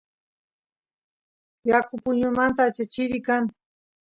yaku puñumanta ancha churi kan